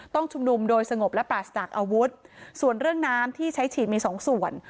ต้องชุมนุมโดยสงบและปราศจากอาวุธส่วนเรื่องน้ำที่ใช้ฉีดมีสองส่วน